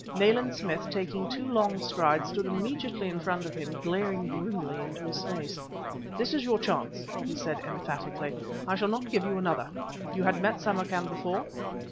Nayland Smith, taking two long strides, stood immediately in front of him, glaring grimly into his face. "This is your chance," he said emphatically; "I shall not give you another. You had met Samarkan before?"